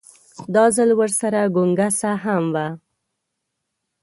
دا ځل ورسره ګونګسه هم وه.